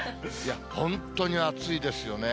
本当に暑いですよね。